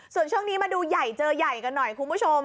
ส่วนช่วงนี้มาดูใหญ่เจอใหญ่กันหน่อยคุณผู้ชม